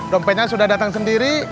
dompetnya sudah datang sendiri